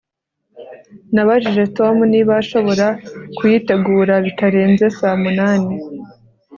Nabajije Tom niba ashobora kuyitegura bitarenze saa munani